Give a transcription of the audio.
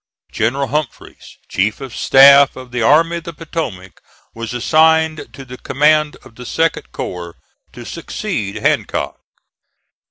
General Humphreys, chief of staff of the Army of the Potomac, was assigned to the command of the 2d corps, to succeed Hancock.